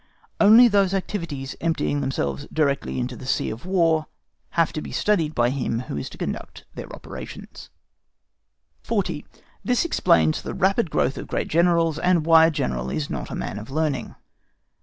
Only those activities emptying themselves directly into the sea of War have to be studied by him who is to conduct its operations. 40. THIS EXPLAINS THE RAPID GROWTH OF GREAT GENERALS, AND WHY A GENERAL IS NOT A MAN OF LEARNING.